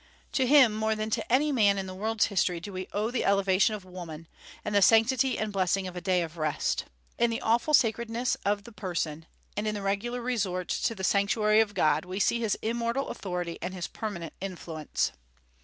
To him, more than to any man in the world's history, do we owe the elevation of woman, and the sanctity and blessing of a day of rest. In the awful sacredness of the person, and in the regular resort to the sanctuary of God, we see his immortal authority and his permanent influence.